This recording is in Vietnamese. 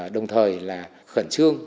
đồng thời là khẩn trương